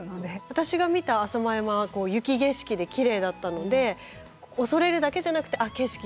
私が見た浅間山は雪景色できれいだったので恐れるだけじゃなくてあっ景色